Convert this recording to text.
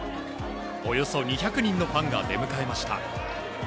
およそ２００人のファンが出迎えました。